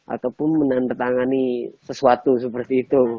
ataupun menandatangani sesuatu seperti itu